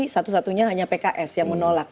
satu satunya hanya pks yang menolak